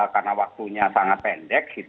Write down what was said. karena waktunya sangat pendek